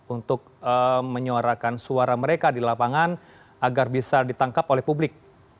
untuk menyuarakan suara mereka di lapangan agar bisa ditangkap oleh publik